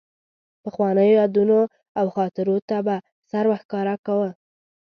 پخوانیو یادونو او خاطرو ته به سر ورښکاره کاوه.